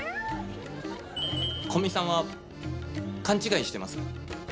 古見さんは勘違いしてます。